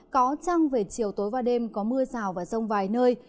có trăng về chiều tối và đêm có mưa rào và rông vài nơi